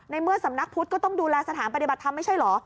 เมื่อสำนักพุทธก็ต้องดูแลสถานปฏิบัติธรรมไม่ใช่เหรอ